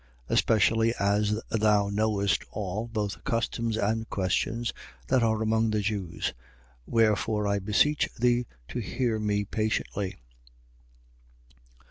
26:3. Especially as thou knowest all, both customs and questions, that are among the Jews. Wherefore I beseech thee to hear me patiently.